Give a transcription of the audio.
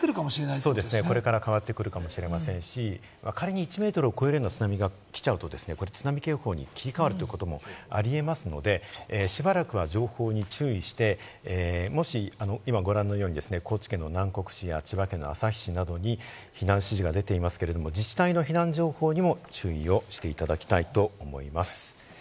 これから変わってくるかもしれませんし、仮に１メートルを超えるような津波が来ちゃうと津波警報に切り替わるということもありえますので、しばらくは情報に注意して、今ご覧のように、高知県南国市や千葉県の旭市などに避難指示が出ていますけれど、自治体の避難情報にも注意をしていただきたいと思います。